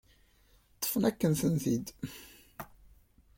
Ṭṭfent-akent-tent-id.